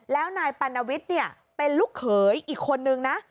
แล้วนายปัณวิทย์เป็นลูกเขยอีกคนนึงนะ